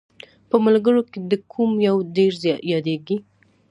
په ملګرو کې دې کوم یو ډېر یادیږي؟